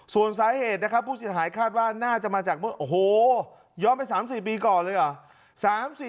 ส่วนสาเหตุนะครับผู้เสียหายคาดว่าน่าจะมาจากเมื่อโอ้โหย้อนไป๓๔ปีก่อนเลยเหรอ